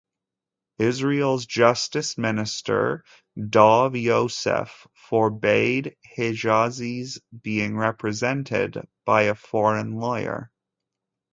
Israel's Justice Minister Dov Yosef forbade Hijazi's being represented by a foreign lawyer.